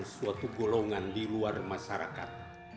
suatu golongan di luar masyarakat